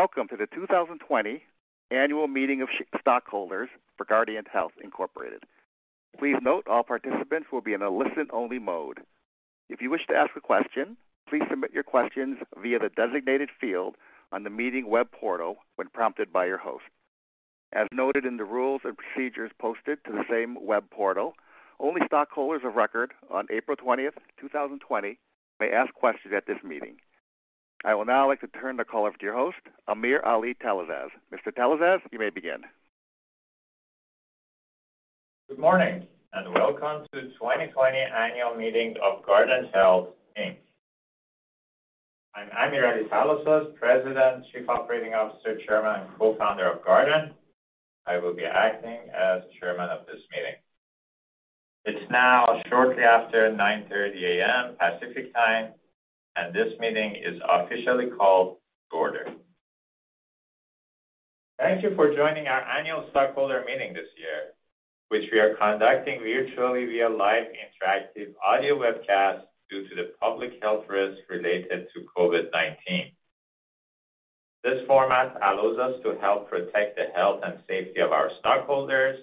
Welcome to the 2020 annual meeting of stockholders for Guardant Health Incorporated. Please note all participants will be in a listen-only mode. If you wish to ask a question, please submit your questions via the designated field on the meeting web portal when prompted by your host. As noted in the rules and procedures posted to the same web portal, only stockholders of record on April 20th, 2020 may ask questions at this meeting. I will now like to turn the call over to your host, AmirAli Talasaz. Mr. Talasaz, you may begin. Good morning, welcome to the 2020 annual meeting of Guardant Health, Inc. I'm AmirAli Talasaz, President, Chief Operating Officer, Chairman, and Co-founder of Guardant. I will be acting as Chairman of this meeting. It's now shortly after 9:30 A.M. Pacific Time, this meeting is officially called to order. Thank you for joining our annual stockholder meeting this year, which we are conducting virtually via live interactive audio webcast due to the public health risks related to COVID-19. This format allows us to help protect the health and safety of our stockholders,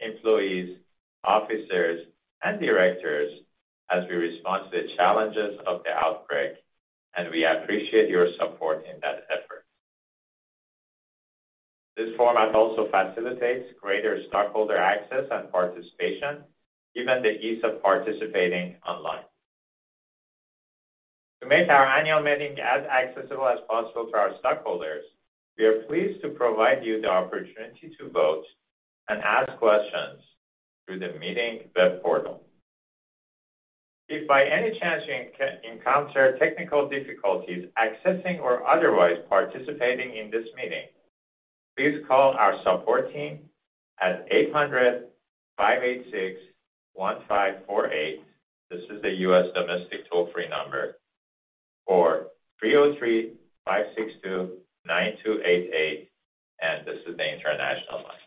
employees, officers, and directors as we respond to the challenges of the outbreak, we appreciate your support in that effort. This format also facilitates greater stockholder access and participation, given the ease of participating online. To make our annual meeting as accessible as possible to our stockholders, we are pleased to provide you the opportunity to vote and ask questions through the meeting web portal. If by any chance you encounter technical difficulties accessing or otherwise participating in this meeting, please call our support team at 800-586-1548. This is a U.S. domestic toll-free number. 303-562-9288, and this is the international line.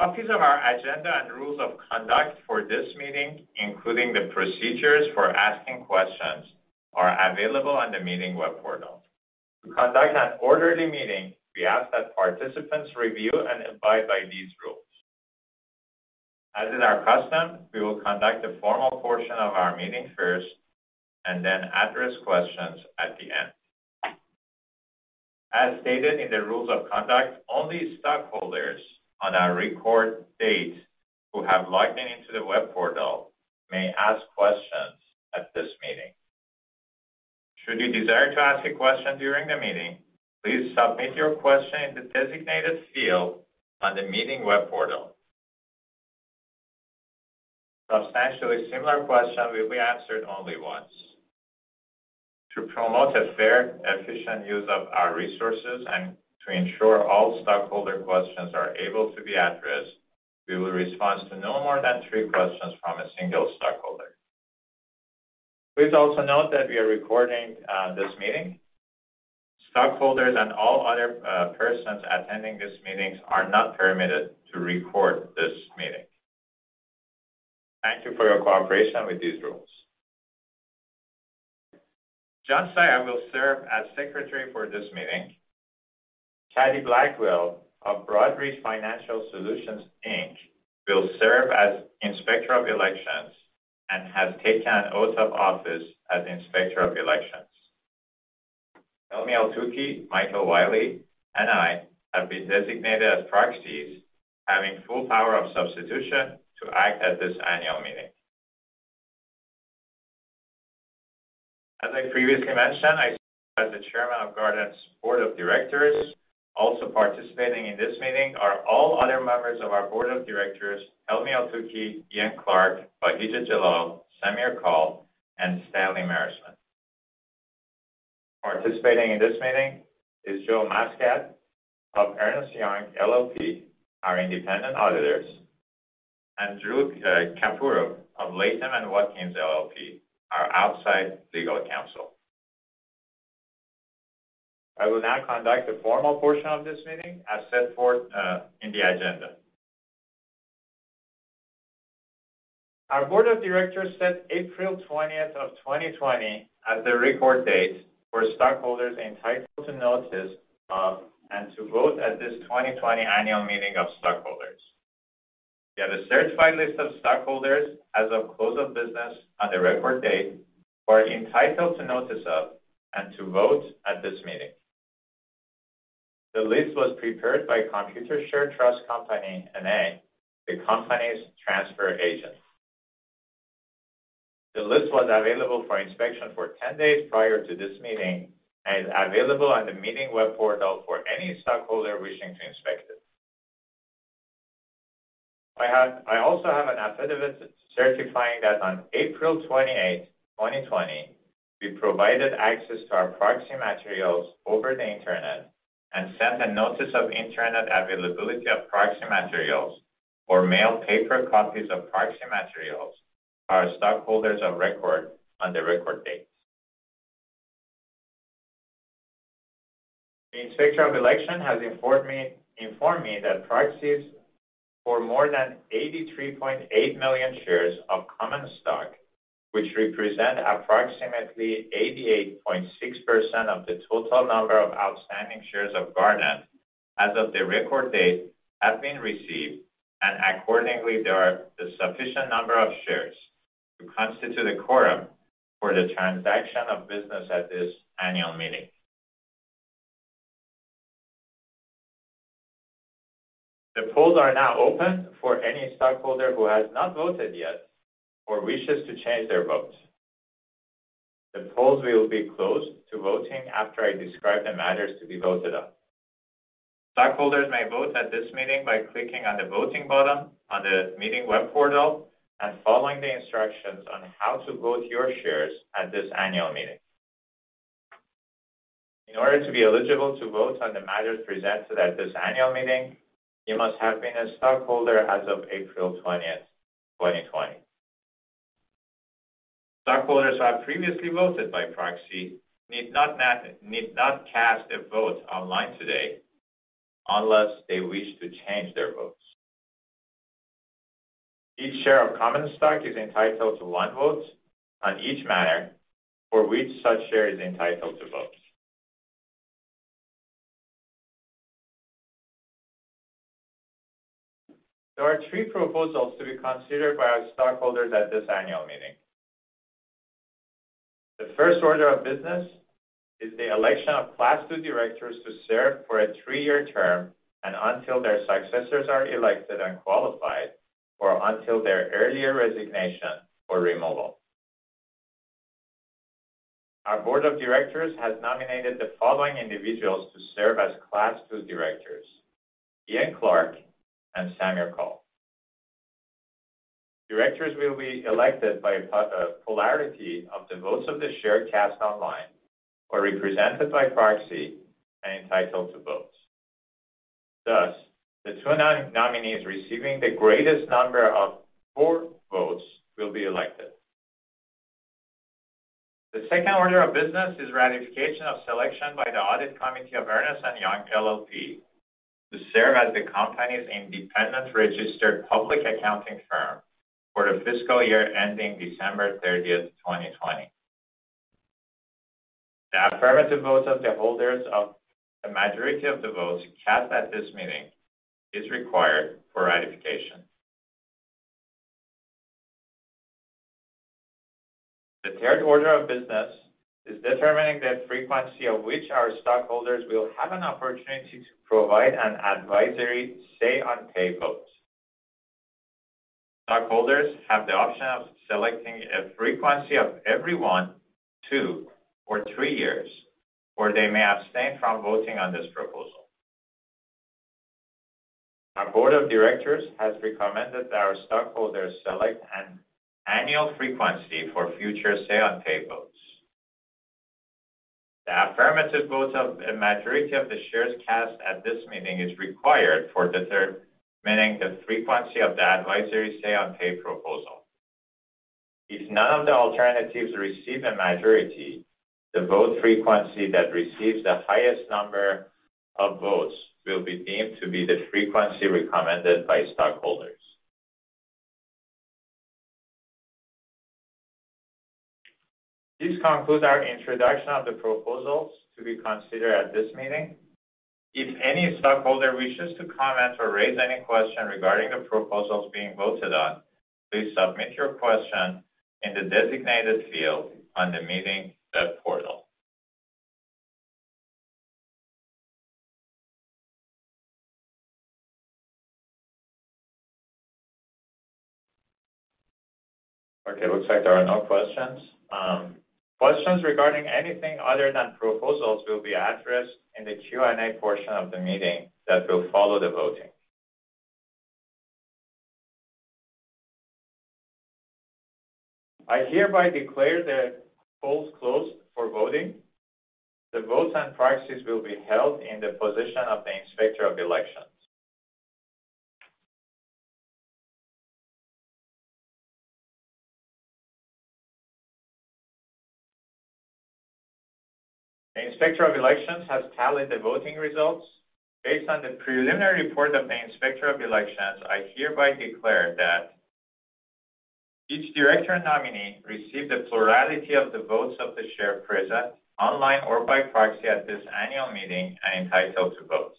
Copies of our agenda and rules of conduct for this meeting, including the procedures for asking questions, are available on the meeting web portal. To conduct an orderly meeting, we ask that participants review and abide by these rules. As is our custom, we will conduct the formal portion of our meeting first and then address questions at the end. As stated in the rules of conduct, only stockholders on our record date who have logged into the web portal may ask questions at this meeting. Should you desire to ask a question during the meeting, please submit your question in the designated field on the meeting web portal. Substantially similar questions will be answered only once. To promote a fair, efficient use of our resources and to ensure all stockholder questions are able to be addressed, we will respond to no more than three questions from a single stockholder. Please also note that we are recording this meeting. Stockholders and all other persons attending these meetings are not permitted to record this meeting. Thank you for your cooperation with these rules. John Saia will serve as Secretary for this meeting. Katie Blackwell of Broadridge Financial Solutions, Inc., will serve as Inspector of Elections and has taken an oath of office as Inspector of Elections. Helmy Eltoukhy, Michael Wiley, and I have been designated as proxies, having full power of substitution to act at this annual meeting. As I previously mentioned, I serve as the Chairman of Guardant's Board of Directors. Also participating in this meeting are all other members of our Board of Directors, Helmy Eltoukhy, Ian Clark, Bahija Jallal, Samir Kaul, and Stanley Meresman. Participating in this meeting is Joe Muscat of Ernst & Young LLP, our independent auditors, and Drew Capurro of Latham & Watkins LLP, our outside legal counsel. I will now conduct the formal portion of this meeting as set forth in the agenda. Our Board of Directors set April 20th of 2020 as the record date for stockholders entitled to notice of and to vote at this 2020 annual meeting of stockholders. We have a certified list of stockholders as of close of business on the record date who are entitled to notice of and to vote at this meeting. The list was prepared by Computershare Trust Company, N.A., the company's transfer agent. The list was available for inspection for 10 days prior to this meeting and is available on the meeting web portal for any stockholder wishing to inspect it. I also have an affidavit certifying that on April 28th, 2020, we provided access to our proxy materials over the internet and sent a notice of internet availability of proxy materials or mailed paper copies of proxy materials to our stockholders of record on the record date. The Inspector of Elections has informed me that proxies for more than 83.8 million shares of common stock, which represent approximately 88.6% of the total number of outstanding shares of Guardant as of the record date, have been received. Accordingly, there are the sufficient number of shares to constitute a quorum for the transaction of business at this annual meeting. The polls are now open for any stockholder who has not voted yet or wishes to change their vote. The polls will be closed to voting after I describe the matters to be voted on. Stockholders may vote at this meeting by clicking on the voting button on the meeting web portal and following the instructions on how to vote your shares at this annual meeting. In order to be eligible to vote on the matters presented at this annual meeting, you must have been a stockholder as of April 20th, 2020. Stockholders who have previously voted by proxy need not cast their vote online today unless they wish to change their votes. Each share of common stock is entitled to one vote on each matter for which such share is entitled to vote. There are three proposals to be considered by our stockholders at this annual meeting. The first order of business is the election of Class II directors to serve for a three-year term and until their successors are elected and qualified, or until their earlier resignation or removal. Our Board of Directors has nominated the following individuals to serve as Class II directors, Ian Clark and Samir Kaul. Directors will be elected by a plurality of the votes of the share cast online or represented by proxy and entitled to votes. Thus, the two nominees receiving the greatest number of board votes will be elected. The second order of business is ratification of selection by the Audit Committee of Ernst & Young LLP to serve as the company's independent registered public accounting firm for the fiscal year ending December 30, 2020. The affirmative vote of the holders of the majority of the votes cast at this meeting is required for ratification. The third order of business is determining the frequency of which our stockholders will have an opportunity to provide an advisory say on pay votes. Stockholders have the option of selecting a frequency of every one, two, or three years, or they may abstain from voting on this proposal. Our board of directors has recommended that our stockholders select an annual frequency for future say on pay votes. The affirmative votes of a majority of the shares cast at this meeting is required for determining the frequency of the advisory say on pay proposal. If none of the alternatives receive a majority, the vote frequency that receives the highest number of votes will be deemed to be the frequency recommended by stockholders. This concludes our introduction of the proposals to be considered at this meeting. If any stockholder wishes to comment or raise any question regarding the proposals being voted on, please submit your question in the designated field on the meeting web portal. Okay, looks like there are no questions. Questions regarding anything other than proposals will be addressed in the Q&A portion of the meeting that will follow the voting. I hereby declare the polls closed for voting. The votes and proxies will be held in the position of the Inspector of Elections. The Inspector of Elections has tallied the voting results. Based on the preliminary report of the Inspector of Elections, I hereby declare that each director nominee received a plurality of the votes of the share present online or by proxy at this annual meeting and entitled to vote.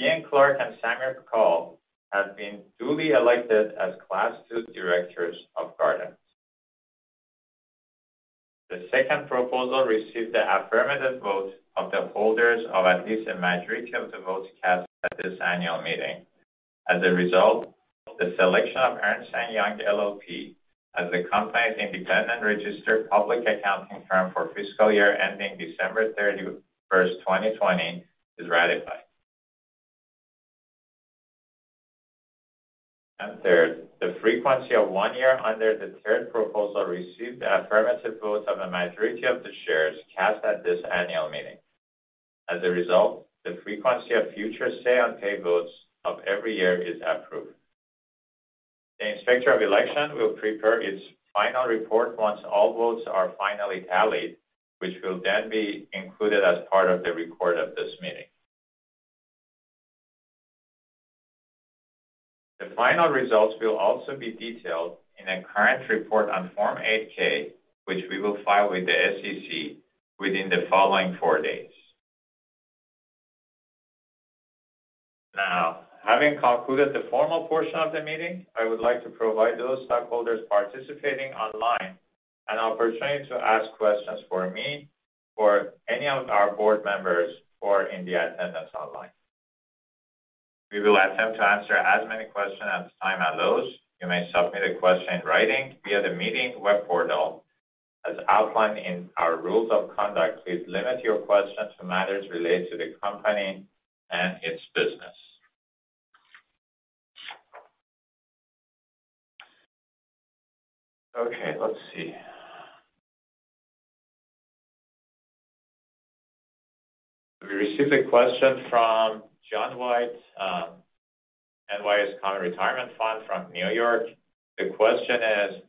Ian Clark and Samir Kaul have been duly elected as Class II directors of Guardant. The second proposal received the affirmative vote of the holders of at least a majority of the votes cast at this annual meeting. As a result, the selection of Ernst & Young LLP as the company's independent registered public accounting firm for fiscal year ending December 31st, 2020 is ratified. Third, the frequency of one year under the third proposal received the affirmative votes of a majority of the shares cast at this annual meeting. As a result, the frequency of future say on pay votes of every year is approved. The Inspector of Election will prepare its final report once all votes are finally tallied, which will then be included as part of the record of this meeting. The final results will also be detailed in a current report on Form 8-K, which we will file with the SEC within the following four days. Having concluded the formal portion of the meeting, I would like to provide those stockholders participating online an opportunity to ask questions for me or any of our board members who are in the attendance online. We will attempt to answer as many questions at the time allows. You may submit a question in writing via the meeting web portal. As outlined in our rules of conduct, please limit your questions to matters related to the company and its business. Let's see. We received a question from John White, NYS Common Retirement Fund from New York. The question is,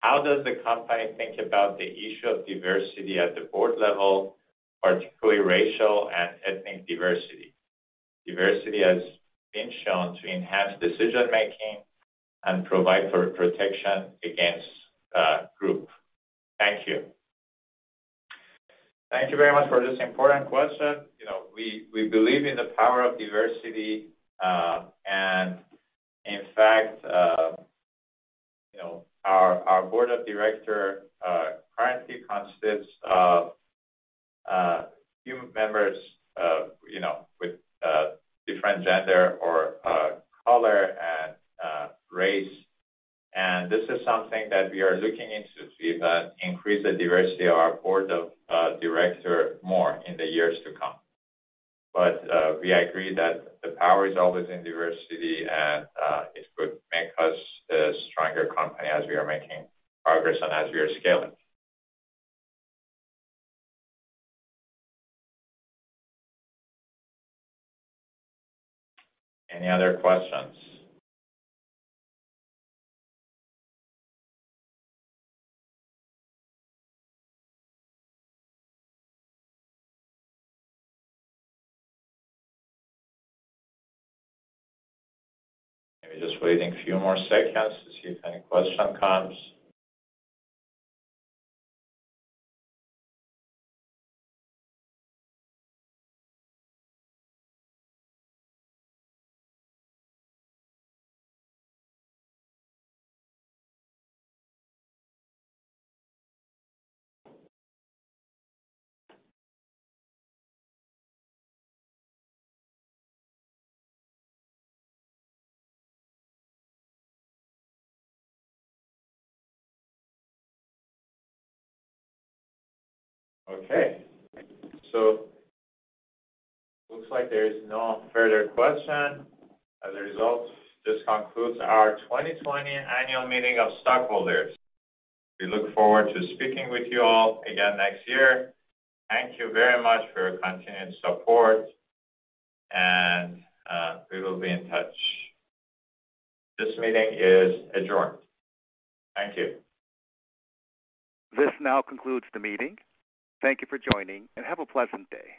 "How does the company think about the issue of diversity at the board level, particularly racial and ethnic diversity? Diversity has been shown to enhance decision-making and provide for protection against group. Thank you." Thank you very much for this important question. We believe in the power of diversity. In fact, our board of directors currently consists of a few members with different gender or color and race. This is something that we are looking into, to increase the diversity of our board of directors more in the years to come. We agree that the power is always in diversity, and it would make us a stronger company as we are making progress and as we are scaling. Any other questions? Maybe just waiting a few more seconds to see if any question comes. Okay. Looks like there is no further question. As a result, this concludes our 2020 annual meeting of stockholders. We look forward to speaking with you all again next year. Thank you very much for your continued support, and we will be in touch. This meeting is adjourned. Thank you. This now concludes the meeting. Thank you for joining, and have a pleasant day.